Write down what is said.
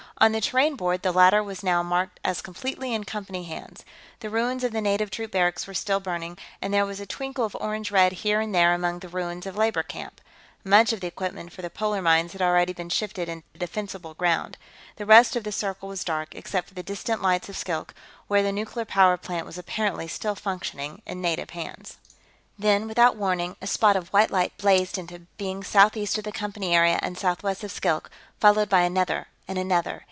On the terrain board, the latter was now marked as completely in Company hands. The ruins of the native troops barracks were still burning, and there was a twinkle of orange red here and there among the ruins of the labor camp. Much of the equipment for the polar mines had already been shifted into defensible ground. The rest of the circle was dark, except for the distant lights of Skilk, where the nuclear power plant was apparently still functioning in native hands. Then, without warning, a spot of white light blazed into being southeast of the Company area and southwest of Skilk, followed by another and another.